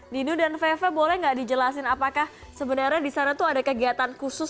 dino dan veve boleh nggak dijelasin apakah sebenarnya di sana tuh ada kegiatan khusus